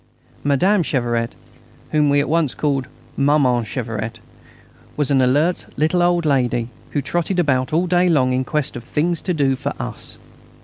Madame Cheveret, whom we at once called "Maman Cheveret," was an alert little old lady who trotted about all day long in quest of things to do for us.